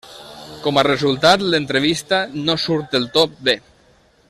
Com a resultat, l'entrevista no surt del tot bé.